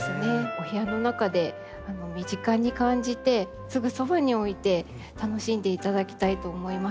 お部屋の中で身近に感じてすぐそばに置いて楽しんでいただきたいと思いますので。